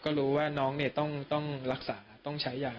ก็รู้ว่าน้องต้องรักษาต้องใช้ยา